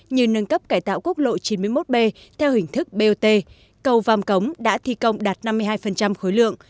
như nâng cấp cải tạo quốc lộ chín mươi một b theo hình thức bot cầu vàm cống đã thi công đạt năm mươi hai khối lượng